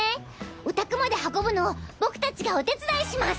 お宅まで運ぶのを僕達がお手伝いします。